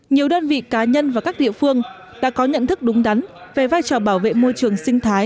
nhiều đơn vị cá nhân và các địa phương đã có nhận thức đúng đắn về vai trò bảo vệ môi trường sinh thái